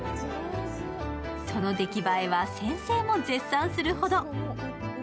その出来栄えは先生も絶賛するほど。